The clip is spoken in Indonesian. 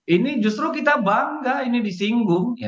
ini justru kita bangga ini disinggung